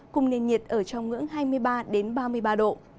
cùng nền nhiệt ở trong ngưỡng hai mươi ba ba mươi ba độ